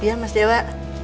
diang ya mas dewa